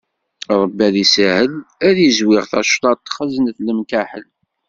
Ṛebbi ad isahel, ad zwiɣ tacḍaṭ xeznet lemkaḥel.